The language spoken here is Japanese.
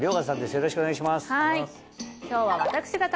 よろしくお願いします。